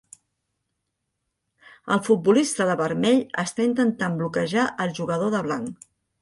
El futbolista de vermell està intentant bloquejar el jugador de blanc.